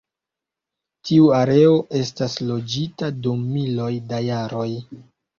Tiu areo estas loĝita dum miloj da jaroj.